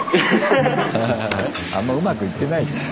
あんまうまくいってないじゃん。